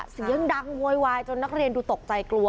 เสียงดังโวยวายจนนักเรียนดูตกใจกลัว